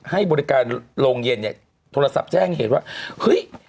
ให้บริการโรงเย็นเนี่ยโทรศัพท์แจ้งเหตุว่าเฮ้ย